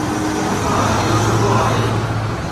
ها، اهو سٺو آهي